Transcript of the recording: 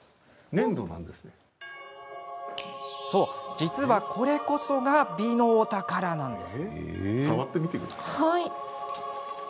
実は、これこそが美のお宝なんです。